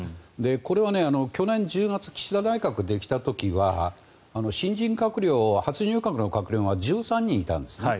これは去年１０月岸田内閣ができた時は新人閣僚、初入閣の閣僚が１３人いたんですね。